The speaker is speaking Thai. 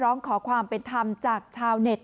ร้องขอความเป็นธรรมจากชาวเน็ต